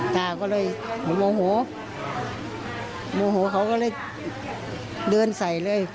ตาก็เลยโมโหโมโหเขาก็เลยเดินใส่เลย